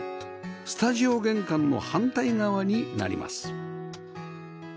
スタジオ玄関の反対側になります